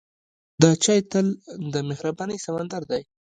د چای تل د مهربانۍ سمندر دی.